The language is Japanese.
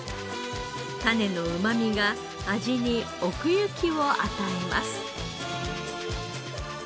種のうまみが味に奥行きを与えます。